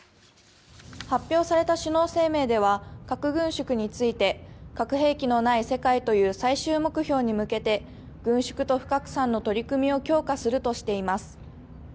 発表された首脳宣言では核軍縮について核兵器のない世界という最終目標向けて軍縮と不拡散の取り組みを強化するとしています。